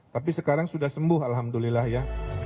tapi sekarang sudah sembuh alhamdulillah ya